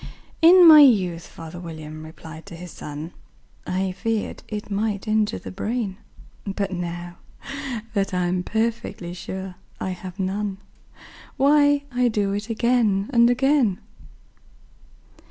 "In my youth," father William replied to his son, "I feared it might injure the brain; But, now that I'm perfectly sure I have none, Why, I do it again and again."